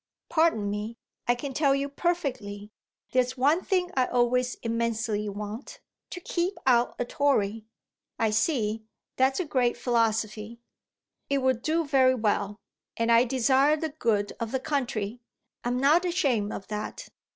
"Pardon me, I can tell you perfectly. There's one thing I always immensely want to keep out a Tory." "I see. That's a great philosophy." "It will do very well. And I desire the good of the country. I'm not ashamed of that."